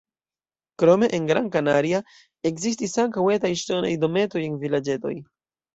Krome en Gran Canaria ekzistis ankaŭ etaj ŝtonaj dometoj en vilaĝetoj.